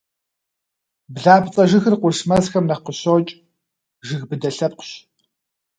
Блапцӏэ жыгыр къурш мэзхэм нэхъ къыщокӏ, жыг быдэ лъэпкъщ.